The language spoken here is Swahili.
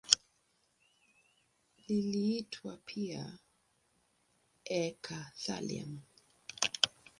Iliitwa pia eka-thallium.